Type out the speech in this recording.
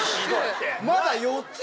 まだ４つよ。